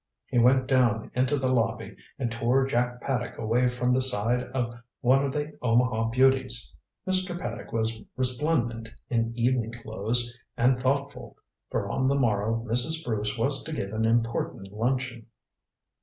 He went down into the lobby and tore Jack Paddock away from the side of one of the Omaha beauties. Mr. Paddock was resplendent in evening clothes, and thoughtful, for on the morrow Mrs. Bruce was to give an important luncheon.